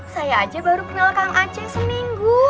saya aja baru kenal kang aceh seminggu